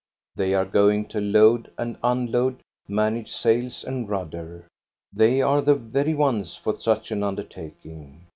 They are going to load and unload, manage sails and rudder. They are the very ones for such an undertaking.